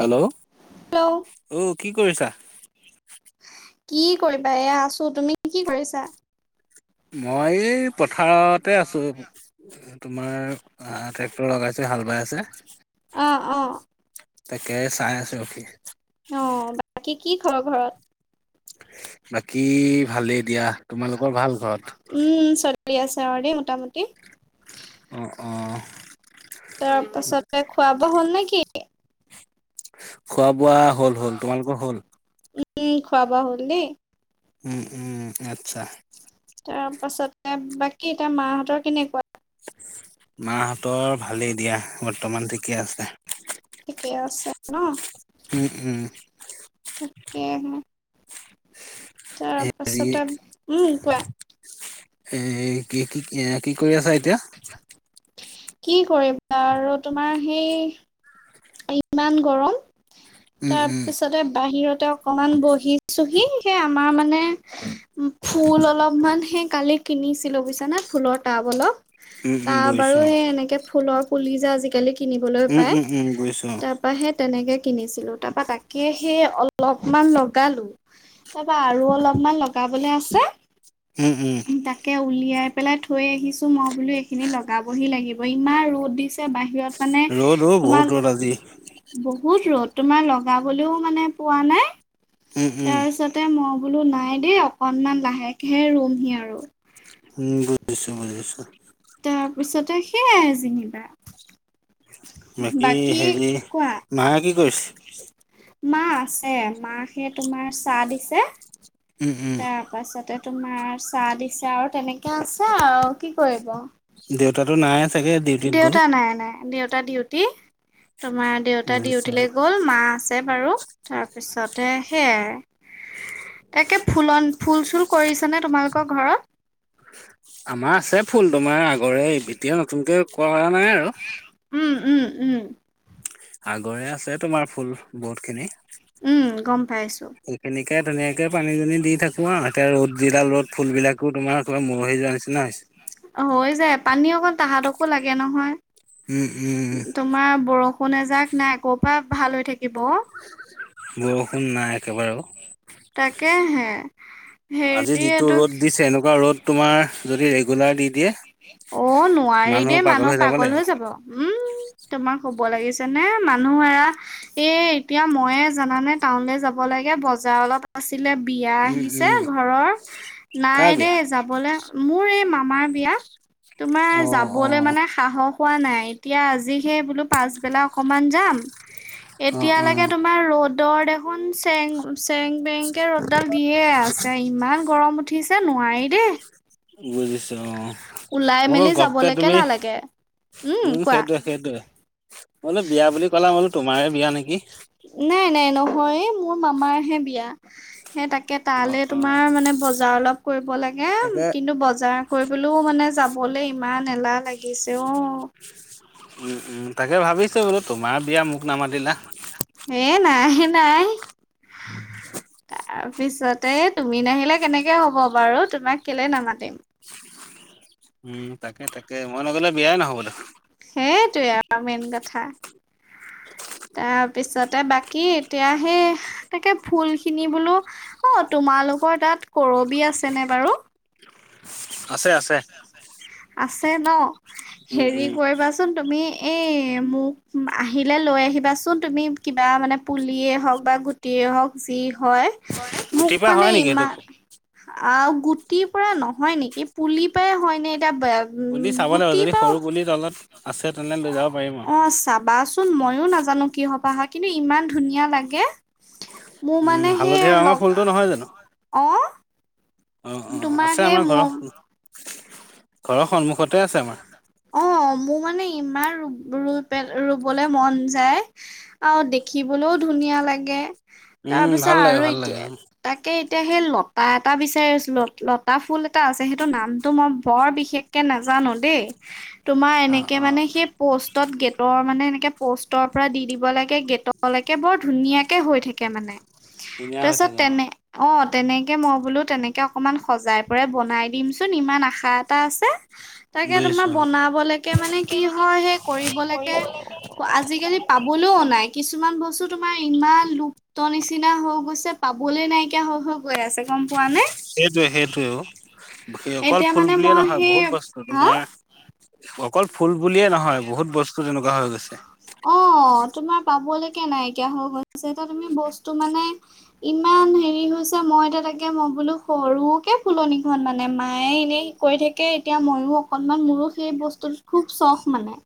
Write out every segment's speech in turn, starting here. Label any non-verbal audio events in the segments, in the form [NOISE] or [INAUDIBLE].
Hello, hello অ কি কৰিছা? কি কৰিবা, এইয়া আছো তুমি কি কৰিছা? মই এই পথাৰতে আছো। তোমাৰ আহ ট্ৰেক্টৰ লগাইছে, হাল বাই আছে। অ অ। তাকে চাই আছো ৰখি। অ বাকী কি খবৰ ঘৰত? বাকী ভালেই দিয়া। তোমালোকৰ ভাল ঘৰত? উম চলি আছে আৰু দেই মোটামুটি। অ অ। তাৰপাছতে খোৱা বোৱা হ'ল নেকি? খোৱা বোৱা হ'ল হ'ল। তোমালোকৰ হ'ল? উম খোৱা-বোৱা হ'ল দেই। উম উম আতছা। তাৰ পাছতে, বাকী এতিয়া মাহঁতৰ কেনেকুৱা? মাহঁতৰ ভালেই দিয়া, বৰ্তমান ঠিকেই আছে। অ। উম উম। [UNINTELLIGIBLE] হেৰি তাৰপাছতে, উম কোৱা। এ কি কি এ কি কৰি আছা এতিয়া? কি কৰিবা আৰু তোমাৰ সেই ইমান গৰম। উম তাৰ উম পিছতে বাহিৰত তে অকমান বহিছোহি, সেই আমাৰ মানে ফুল অলপমান সেই কালি কিনিছিলো বুইছানে ফুলৰ টাব অলপ, উম উম টাব আৰু বুজিছো সেই এনেকে ফুলৰ পুলি যে আজিকালি কিনিবলৈ উম পায়। হুম হুম বুজিছো। তাৰপা সেই তেনেকে কিনিছিলো, তাৰপা তাকে সেই অলপমান লগালো। তাৰপা আৰু অলপমান লগাবলে আছে উম উম তাকে উ উলিয়াই পেলাই থৈ আহিছো, মই বোলো এইখিনি লগাবহি লাগিব, ইমান ৰ'দ দিছে বাহিৰত মানে ৰ'দ অ তোমাৰ বহুত ৰ'দ আজি বহুত ৰ'দ, তোমাৰ লগাবলৈও মানে পৰা নাই উম উম তাৰপিছতে মই বোলো নাই দেই, অকনমান লাহেকেহে ৰুম হি আৰু। উম, বুজিছো বুজিছো। তাৰপিছতে সেইয়াই যেনিবা। বাকী হেৰি, কোৱা মায়ে কি কৰিছে? মা আছে, মা সে তোমাৰ চাহ দিছে উম, উম। তাৰ পাছতে তোমাৰ চাহ দিছে আৰু তেনেকে আছে আৰু কি কৰিব? দেউতাটো নাই চাগে, ডিউটিত গ'ল? টা ডিউটি তোমাৰ দেউতা বুজিছো। ডিউটিলৈ গ'ল মা আছে বাৰু তাৰপিছতে সেয়াই। [INAUDIBLE] একে ফুলন ফুল চুল কৰিছ নে তোমালোকৰ ঘৰত? আমাৰ আছে ফুল তোমাৰ আগৰে এতিয়া নতুনকে কৰা নাই আৰু। উম উম উম। আগৰে আছে তোমাৰ ফুল বহুতখিনি। উম গম পাইছো। সেইখিনিকে ধুনীয়াকে পানী চানি দি থাকো আৰু এতিয়া ৰ'দ যিডাল ৰ'দ ফুল বিলাকো তোমাৰ একেবাৰে মৰহি যোৱা নিছি [UNINTELLIGIBLE] অ হৈ যায় অ তাহাঁতকো লাগে নহয়। উম, উম, তোমাৰ বৰষুণ এযাক নাই ক'ৰ পৰা ভাল হৈ থাকিব ও। বৰষুণ নাই একেবাৰে অ' তাকেহে আজি হেৰি যিটো এইটো ৰ'দ দিছে এনেকুৱা ৰ'দ তোমাৰ যদি ৰেগুলাৰ দি দিয়ে অ' নোৱাৰি দেই মানুহ পাগল হৈ যাব উম তোমাৰ ব লাগিছেনে মানুহ এৰা, এই এতিয়া মইে জানানে টাউন যাব লাগে বজাৰ অলপ আছিলে বিয়া উম, আহিছে উম। ঘৰৰ নাই কাৰ বিয়া? দেই যাবলৈ মোৰ এই মামাৰ বিয়া, তোমাৰ অ', যাবলৈ অ'। মানে সাহস হোৱা নাই। এতিয়া আজিহে বোলো পাছবেলা অকমান যাম অ', এতিয়ালৈকে অ'। তোমাৰ ৰ'দৰ দেখোন চেং চেং বেংকে ৰ'দডাল দিয়ে আছে, ইমান গৰম উঠিছে নোৱাৰি দেই। বুজিছো অ' মই ওলাই বোলো মেলি গপকে যাবলৈকে তুমি নালাগে। উম সেইটোয়ে সেইটোয়ে বোলো বিয়া বুলি ক'লা বোলো তোমাৰে বিয়া নেকি? নাই নাই নহয় মোৰ মামাৰ হে বিয়া। হেই তাকে অ', তালৈ অ'। তোমাৰ মানে বজাৰ অলপ কৰিব লাগে, তাকে কিন্তু বজাৰ কৰিবলৈওঁ মানে যাব বলে ইমান এলাহ লাগিছে অ' উম উম তাকে ভাবিছো বোলো তোমাৰ বিয়া মোক নামাতিলা। হে নাই নাই তাৰপিছতে তুমি নাহিলে কেনেকে হ'ব বাৰু, তোমাক কেলে নামাতিম। উম তাকে তাকে মই নগলে বিয়াই নহ'ব দেখোন সেইটোৱে আৰু মেইন কথা। তাৰপিছতে বাকী এতিয়া সেই তাকে ফুল খিনি বোলো, অ' তুম তোমালোকৰ তাত কৰবি আছেনে বাৰু? আছে আছে। আছে ন, উম, হেৰি উম। কৰিবাচোন তুমি এই এ' মোক আহিলে লৈ আহিবা চোন তুমি কিবা মানে পুলিয়ে হওঁক বা গুটিয়েই হওঁক হয় মোক গুটিৰ পৰা মানে হয় নেকি সেইটো ইমান আৰু গুটিৰ পৰা নহয় নেকি, পুলি পৰাই হয় নে? পুলি চাব লাগিব গুটি যদি পাওঁ সৰু পুলি তলত আছে তেনে লৈ যাব পাৰিম আৰু। অ' চাবাচোন, মইয়ো নাজানো কি সপাহ হয়। কিন্তু ইমান ধুনীয়া লাগে মোৰ উম, মানে সেই হালধীয়া ৰঙৰ ফুলটো নহয় জানো অ' অ', অ', তোমাৰ আছে সে আমাৰ ঘৰৰ মোম ঘৰৰ সন্মুখতে আছে আমাৰ। অ' মোৰ মানে ইমান ই ৰু পেল ৰুবলৈ মন যায় আৰু দেখিবলৈওঁ ধুনীয়া লাগে। উম, তাৰপিছত ভাল লাগে আৰু ভাল লাগে এতিয়া, তাকে এতিয়া সেই লতা এটা বিচাৰি আছোঁ লতা ফুল এটা আছে সেইটো নামটো মই বৰ বিশেষ নাজানো দেই তোমাৰ অ', এনেকে অ', মানে সেই পোষ্টত গে ৰ মানে এনেকে প'ষ্টৰ পৰা দি দিব লাগে গেটলৈকে বৰ ধুনীয়াাকে হৈ থাকে মানে। ধুনীয়া হৈ তাৰপিছত, থাকে অ', তেনে অ' তেনেকে মই বোলো তেনেকে অকনমান সজাই পৰাই বনাই দিম চোন ইমান আশা এটা আছে। তাকে বুজিছো তোমাৰ অ'। বনাবলৈকে মানে গতিকে কি হয় সেই কি কৰিব কৰিবলৈকে লাগে আজিকালি পাবলৈও নাই, কিছুমান বস্তুত তোমাৰ ইমান লুপ্ত নিচিনা হৈ গৈছে পাবলৈ নাইকিয়া হৈ হৈ গ গৈ আছে গ'ম পোৱা নে? সেইটোৱে সেইটোৱে অ এতিয়া মানে মই সেই ত' হা তোমাৰ অকল ফুল বুলিয়ে নহয়, বহুত বস্তু তেনেকুৱা হৈ গৈছে। অ', তোমাৰ পা'বলৈকে নাইকিয়া হৈ গৈছে, এটিয়া তুমি বস্তু মানে ইমান হেৰি হৈছে মই এতিয়া তাকে মই বোলো সৰুকে ফুলনিখন মানে মায়ে এনেই কৈ থাকে এতিয়া মইও অকন অকণমান মোৰো সেই বস্তুটোত খুব চখ মানে।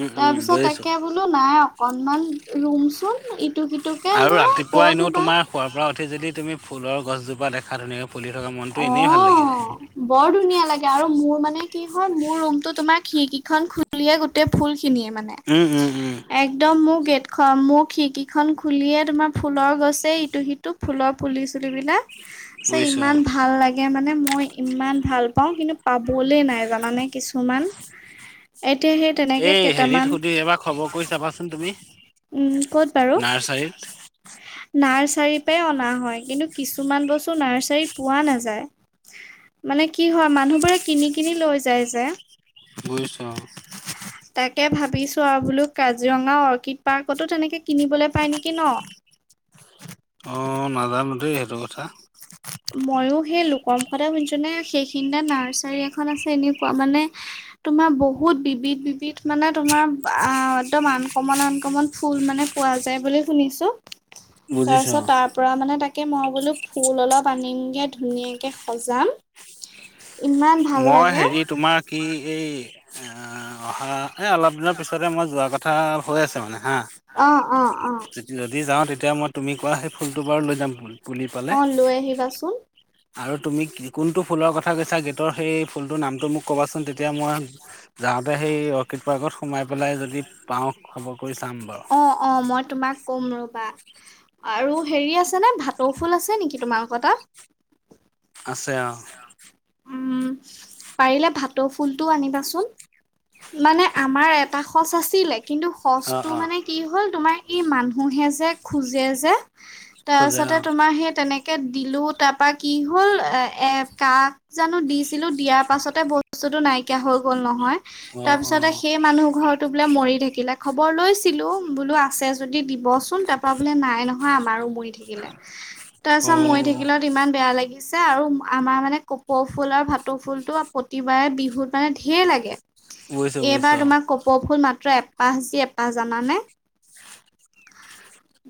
উম উম তাৰপিছত বুজিছো তাকে বোলো নাই অকনমান ৰুমচোন ইটো সিটোকে নাই। ক'ত পুৱা এনেও ৰুবা। তোমাৰ শোৱাৰ পৰা উঠি যদি তুমি ফুলৰ গছজোপা দেখা ধুনীয়াকে ফুলি থকা মনটো এনেই ভাল লাগি যায় অ', বৰ ধুনীয়া লাগে আৰু মোৰ মানে কি হয় মোৰ ৰুম টো তোমাৰ খিৰিকিখন খুলিয়ে গোটেই ফুল মানে, উম উম উম একম ম মোক খিৰিকিখন খুলিয়ে তোমাৰ ফুলৰ গছে ইটো সিটো ফুলৰ ফুলি চুলিবলাক। বুজিছো অ ইমান ভাল লাগে মানে মই ইমান ভাল পাওঁ কিন্তু পাবলৈ নাই জানানে কিছুমান, এতিয়া সেই তেনেকে এই হেৰিত কেইটামান সুধি এবাৰ খবৰ কৰি চাবাচোন তুমি। উম ক'ত বাৰু, নাৰ্চাৰীত নাৰ্চ চাৰি পাই আমাৰ হয় কিন্ত কিছুমান বস্তু ৰ্নাচাৰি ত পোৱা নাযায় মানে কি হয় মানুহবোৰে কিনি কিনি লৈ যায় যে। বুজিছো অ'। তাকে ভাবিছোঁ আৰু বোলো কাজিৰঙা অৰ্কিড পাৰৰ্কতো তেনেকৈ কিনিবলৈ পায় নেকি ন? অ' নাজানো দেই সেইটো কথা। মইয়ো সেই লোক মুুখতে শুনিছো নে সেইখনা নাৰ্চাৰী এখন আছে এনেকুৱা মানে তোমাৰ বহুত বিবিধ বিবিধ মানে তোমাৰ আ একদম আন কমন আন কমন ফুল মানে পোৱা যায় বুলি শুনিছো, বুজিছো তাৰপিছত অ তাৰ পৰা মানে তাকে মই বোলো ফুল অলপ আনিম গে ধুনীয়াকে সজাম। ইমান ভাল মই লাগে হেৰি তোমাৰ কি এই অহা এই অলপ দিনৰ পিছতে মই যোৱা কথা হৈ আছে মানে হা, অ অ অ যদি যাওঁ তেতিয়া তেতিয়া মই তুমি কোৱা সেই ফুলটো বাৰু লৈ যাম ফুল। অ' লৈ আহিবাচোন। আৰু তুমি কি কোনটো ফুলৰ কথা কৈছা গ ত সেই ফুলটোৰ নামটো মোক কবা চোন তেতিয়াই মই যাওঁতে সেই অকৃত প্ৰাক্তন সোমাই পেলে যদি পাওঁ খবৰ। কৰি চাম বাৰু অ' অ' মই তোমাক কম ৰবা, আৰু হেৰি আছেনে ভাটৌ ফুল আছে নেকি তোমালোকৰ তাত? আছে অ উম পাৰিলে ভাতৌ ফুলটোও আনিবাচোন। মানে আমাৰ এটা খচ আছিলে কিন্তু অ সচটো অ মানে কি হ'ল তোমাৰ এই মানুহে যে খোজে যে খোজে তাৰপিছতে অ তোমাৰ সেই তেনেকে দিলো তাৰ পৰা কি হ'ল এ এ কাক জানো দিছিলো দিয়াৰ পাছতে বস্তুতটো নাইকিয়া হৈ গ'ল নহয়। অ তাৰ পিছতে সেই মানুহ ঘৰো বোলে মৰি থাকিলে খবৰ লৈছিলো বোলো আছে যদি য দিবচোন তাৰপৰা বোলে নাই নহয় আমাৰো। মৰি থাকিলে অ অ তাৰপিছত মৰি থাকিলত ইমান বেয়া লাগিছে আৰু আমাৰ মানে কপৌ ফুল আৰু ভাটৌ ফুল টো প্ৰতিবাৰে বিহুত মানে ঢেৰ লাগে। গৈছো এইবাৰ গৈছো তোমাক কপৌ ফুল মা ত্ৰ এপাছি এপাহ জানানে?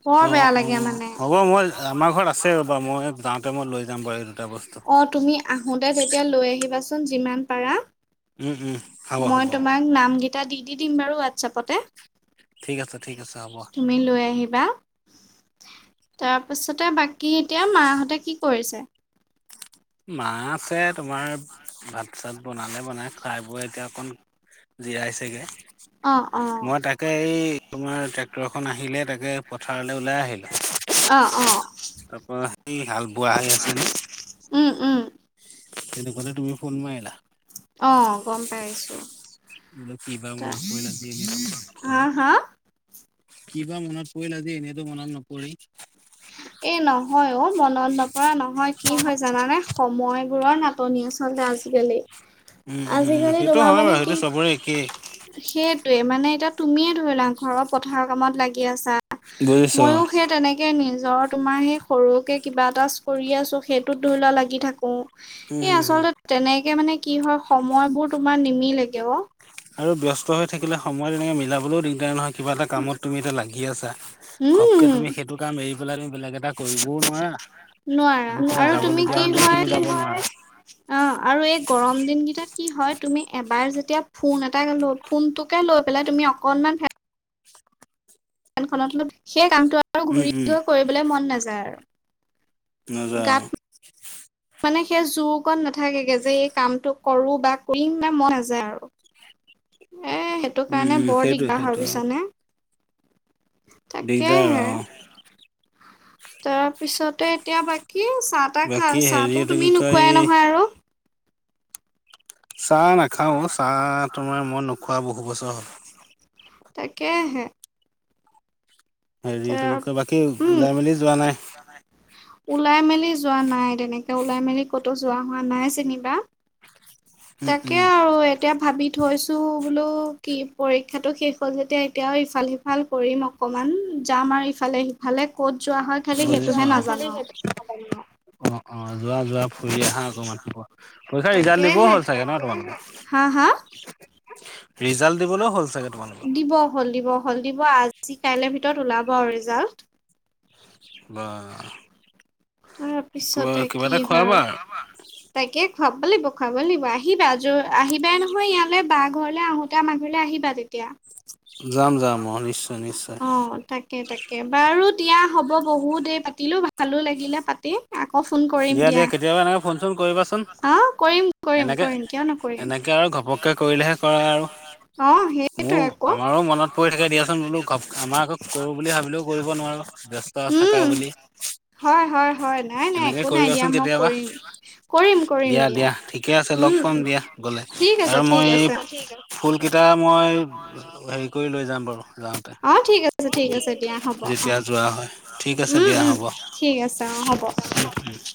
বৰ অ বেয়া অ অ লাগে মানে। হ'ব মই আমাৰ ঘৰত আছে ৰ'বা মই যাওঁতে মই লৈ যাম বাৰু এই দুটা বস্তু অ', তুমি আহোতে তেতিয়া লৈ আহিবাচোন, যিমান পাৰা। উম, উম, হ'ব মই হ'ব তোমাক নামকেইটা দিদি দিম বাৰু হোৱাটছাপতে। ঠিক আছে ঠিক আছে হ'ব। আহিবা। তাৰপিছতে বাকী এতিয়া মাহঁতে কি কৰিছে? মা আছে তোমাৰ, ভাত চাত বনালে বনাই খাই বৈ এতিয়া অকণ, জীয়াইছেগে। অ অ মই তাকে এই তোমাৰ ট্ৰেক্টৰ খন আহিলে তাকে পথাৰত ওলাই আহিলো। অ অ তাৰপৰা সেই হাল বোৱা হৈ আছিলে উম, উম। তেনেকুৱাতে তুমি ফোন মাইলা। অ', গম পাইছো। বোলো কিবা মনত পৰিল আজি এনেতো মনত মনত হা নপৰেই। হা কিবা মনত পৰিল আজি এনেইতো মনত নপৰেই। এ নহয় অ', মনত নপৰা নহয়। কি হয় জানানে? সময়বোৰৰ নাটনি আচলতে আজিকালি। উম, উম, আজিকালি সেইটো তোমাৰ হয় মানে বাৰু কি সেইটো চবৰে একেই সেই তোয়ে মানে এতিয়া তুমিয়ে ধৰিলা ঘৰৰ পথাৰৰ কামত লাগি আছা বুজিছ ময়ো সেই তেনেকে নিজ জৰ তোমাৰ হেই সৰুকে কিবা এটা কৰি আছোঁ। সেইটোত ধইলোৱা লাগি থাকোঁ। উম, এ হম, হম আচলতে তেনেকে মানে কি হয় সময়বোৰ তোমাৰ নিমিলেগে অ'। আৰু ব্যস্ত হৈ থাকিলে সময় তেনেকে মিলাবলৈও দিগদাৰ নহয়, কিবা এটা কামত তুমি এতিয়া লাগি আছা। ঘপ কে উম তুমি সেইটো কাম এৰি পেলাইনো নোৱাৰা। ক'ৰবাত আৰু তুমি যাবলগীয়া কি হ'লেও হয় তুমি যাব নোৱাৰা। অ', আৰু এই গৰম দিনকেইটাত কি হয়, তুমি এবাৰ যেত তিয়া ফোন এটাকে লৈ, ফোনটোকে লৈ পেলাই তুমি অকনমান ফে ফেনখনৰ তলত সেই কামটো আৰু উম, ঘূৰি উম, গৈ কৰিবলৈ মন নাযায় আৰু। নযায়। গাত মানে সেই জোৰকন নাথাকেগে, যে এই কামটো কৰোঁ বা কৰিমে। মন নাযায় আৰু। [INAUDIBLE] এ সেইটো কাৰণে উম, বৰ সেইটোয়ে, দিগদাৰ হয় সেইটোয়ে। বুইছানে দিগদাৰ, তাকেহে। অ'। তাৰপিছতে এতিয়া বাকী চাহ-তাহ খা, বাকী হেৰি চাহটো এইটো কি তুমি কয় নোখোৱাই নহয় আৰু? চাহ নাখাওঁ। চাহ তোমাৰ মই নোখোৱা বহু বছৰ হ'ল। তাকেহে। হেৰি এটো তাৰ কি কয়, বাকী ওলাই-মেলি যোৱা নাই? ওলাই-মেলি যোৱা নাই তেনেকে। ওলাই-মেলি ক'তো যোৱা হোৱা নাই যেনিবা। উম, তাকে উম। আৰু এ এতিয়া ভাবি থৈছোঁ বোলো কি, পৰীক্ষাটো শেষ হ'ল যেতিয়া এতিয়া আও ইফাল-সিফাল কৰিম অক অকমান যাম আৰু ইফালে-সিফালে। ক'ত যোৱা হয় খালি বুজিছোঁ সেইটোহে অ'। নাজানো আৰু। অ', অ', যোৱা যোৱা ফুৰি আহা অকণমান। পৰীক্ষা ৰিজাল্ট দিবও তাকেহে। হ'ল চাগে ন তোমালোকৰ? হা হা? [UNINTELLIGIBLE] দিবলৈও হ'ল চাগে তোমালোকৰ দিব হ'ল, দিব হ'ল। দিব আজি কাইলৈ ভিতৰত তৰত ওলাব আৰু ৰিজাল্ট। বা! কিবা তাৰপিছতে কিবা কি এটা হয় আৰু খুৱাবা তাকে খুৱাব লাগিব খুৱাব লাগিব আহিবা য, আহিবাই নহয় ইয়ালৈ বা ঘৰলৈ আহোতে আমাৰ ঘৰলৈ আহিবা তেতিয়া। যাম যাম অ নিশ্চয় নিশ্চয় অহ, তাকে তাকে বাৰু দিয়া হ'ব বহুত দেৰি পাতিলোঁ ভাল ভালো লাগিলে পাতি আক অহ, ফোন কৰিম দিয়া। কেতিয়াবা এনেকে ফোন চোন কৰিবাচোন অহ, কৰিম কৰিম এনেকে কৰিম কিয় নকৰিম। এনেকে আৰু ঘপককে কৰিলেহে কৰা আৰু অহ' মোৰ সেইটোৱে আকৌ। আমাৰো মনত পৰি থাকে দিয়াচোন বোলো আমাৰ আকৌ কৰো বুলি ভাবিলেও কৰিব নোৱাৰো, ব্যস্ত থাকা উম। বুলি। হয়, হয়, হয়, নাই। নাই এনেকে একো নাই দিয়া কৰিবাচোন মই কেতিয়াবা কৰিম। কৰিম কৰিম দিয়া। ঠিকে আছে লগ উম। পাম দিয়া গ'লে ঠিক আছে আৰু ঠিক মই এই আছে। ফুল কেইটা মই হেৰি কৰি লৈ যাম বাৰু। যাওঁতে, অ ঠিক আছে ঠিক আছে দিয়া হ'ব অ যেতিয়া যোৱা হয়। ঠিক আছে উম দিয়া উম হ'ব। ঠিক আছে অ হ'ব [UNINTELLIGIBLE]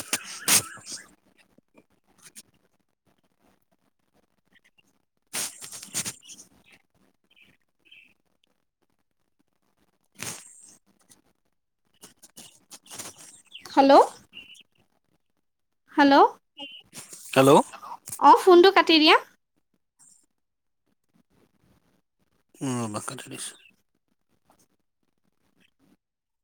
[INAUDIBLE] হেল্ল'। হেল্ল'। হেল্ল' অহ' ফোনটো কাটি দিয়া। উম, [UNINTELLIGIBLE] ধৰিছো।